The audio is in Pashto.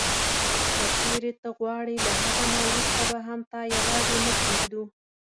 که چیري ته غواړې له هغه نه وروسته به هم تا یوازي نه پرېږدو.